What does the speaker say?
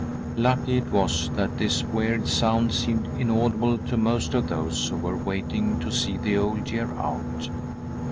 Lucky it was that this weird sound seemed in audible to most of those who were waiting to see the Old Year out.